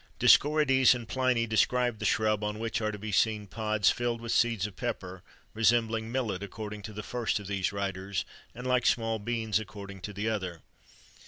[XXIII 81] Dioscorides and Pliny describe the shrub, on which are to be seen pods filled with seeds of pepper, resembling millet, according to the first of these writers, and like small beans, according to the other.